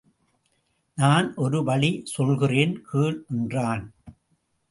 நான் ஒரு வழி சொல்கிறேன் கேள் என்றான்.